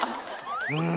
うん！